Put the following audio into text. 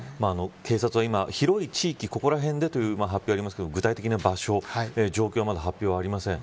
警察は今、広い地域ここらへんでという発表がありますが具体的な場所や情報の発表はまだありません。